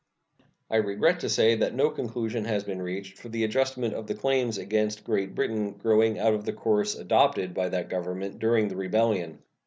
I regret to say that no conclusion has been reached for the adjustment of the claims against Great Britain growing out of the course adopted by that Government during the rebellion.